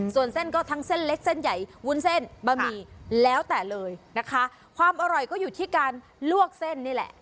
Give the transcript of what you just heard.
ส่วนเส้นก็ทั้งเส้นเล็กเส้นใหญ่วุ้นเส้นบะหมี่แล้วแต่เลยนะคะความอร่อยก็อยู่ที่การลวกเส้นนี่แหละ